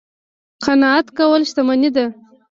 قناعت کول شتمني ده